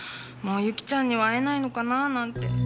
もう由起ちゃんには会えないのかなあなんて。